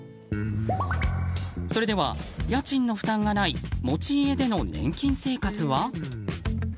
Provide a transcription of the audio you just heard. それでは家賃の負担がない持ち家での年金生活は？